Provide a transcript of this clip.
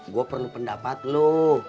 gua perlu pendapat lo